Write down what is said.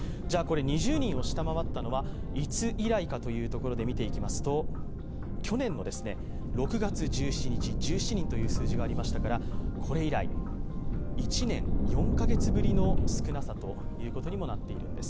２０人を下回ったのはいつ以来かというと去年の６月１７日１７人という数字がありましたからこれ以来１年４カ月ぶりの少なさになっているんです。